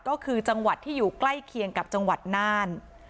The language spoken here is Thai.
ก็คือจังหวัดที่อยู่ใกล้เคียงกับจังหวัดน่าน